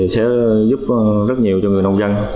sẽ giúp rất nhiều cho người nông dân